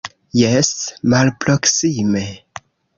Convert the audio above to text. Jes, malproksime!